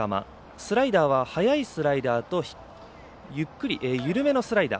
スライダーは速いスライダーと緩めのスライダー。